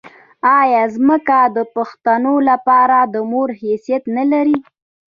آیا ځمکه د پښتون لپاره د مور حیثیت نلري؟